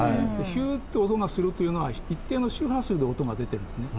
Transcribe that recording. ヒュッて音がするというのは一定の周波数で音が出てるんですね。